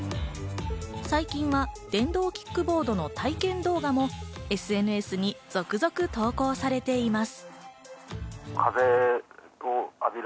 最近は電動キックボードの体験動画もＳＮＳに続々投稿されています。